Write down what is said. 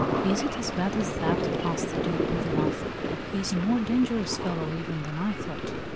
"Is it as bad as that?" asked the Duke, with a laugh. "He is a more dangerous fellow even than I thought.